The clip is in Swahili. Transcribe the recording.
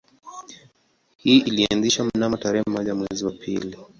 Hii ilianzishwa mnamo tarehe moja mwezi wa pili